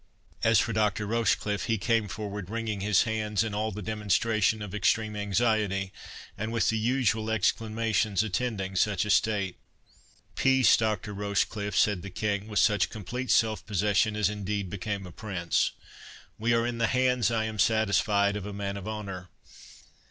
As for Dr. Rochecliffe, he came forward, wringing his hands in all the demonstration of extreme anxiety, and with the usual exclamations attending such a state. "Peace, Doctor Rochecliffe!" said the King, with such complete self possession as indeed became a prince; "we are in the hands, I am satisfied, of a man of honour.